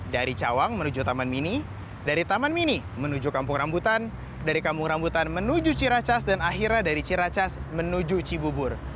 dari cawang menuju taman mini dari taman mini menuju kampung rambutan dari kampung rambutan menuju ciracas dan akhirnya dari ciracas menuju cibubur